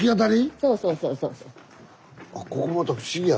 そうそうそうそう。